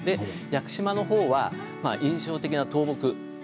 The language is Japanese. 屋久島のほうは印象的な倒木。